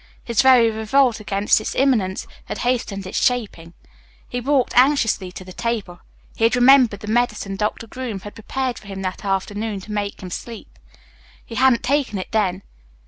His very revolt against its imminence had hastened its shaping. He walked anxiously to the table. He had remembered the medicine Doctor Groom had prepared for him that afternoon to make him sleep. He hadn't taken it then.